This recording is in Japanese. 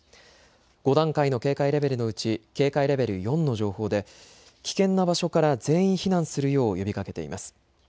５段階の警戒レベルのうち警戒レベル４の情報で危険な場所から全員避難するよう呼びかけています。